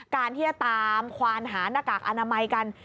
การที่จะตามควานหาหน้ากากอนามัยกัน